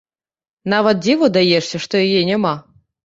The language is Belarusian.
Нават дзіву даешся, што яе няма.